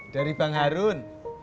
dari bang harun